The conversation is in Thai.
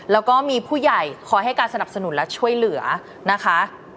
แล้วก็มีผู้ใหญ่คอยให้การสนับสนุนและช่วยเหลือนะคะ